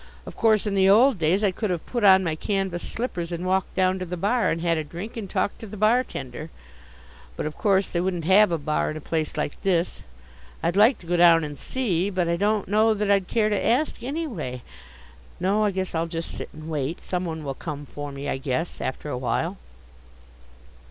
Of course, in the old days, I could have put on my canvas slippers and walked down to the bar and had a drink and talked to the bar tender. But of course they wouldn't have a bar in a place like this. I'd like to go down and see, but I don't know that I'd care to ask, anyway. No, I guess I'll just sit and wait. Some one will come for me, I guess, after a while.